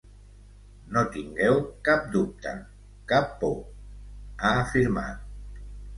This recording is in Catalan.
No tingueu cap dubte, cap por, ha afirmat.